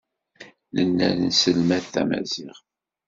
Nella nesselmad tamaziɣt.